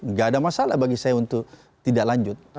nggak ada masalah bagi saya untuk tidak lanjut